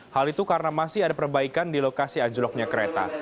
hal itu karena masih ada perbaikan di lokasi anjloknya kereta